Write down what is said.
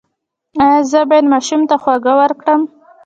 ایا زه باید ماشوم ته خواږه ورکړم؟